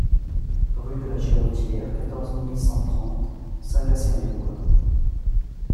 Rue de la Girotière, quatorze mille cent trente Saint-Gatien-des-Bois